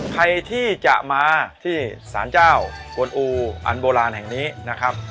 ใครที่จะมาที่สารเจ้ากวนอูอันโบราณแห่งนี้นะครับ